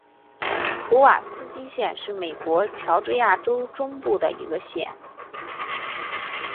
普瓦斯基县是美国乔治亚州中部的一个县。